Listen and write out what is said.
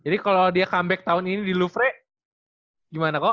jadi kalo dia comeback tahun ini di louvre gimana kok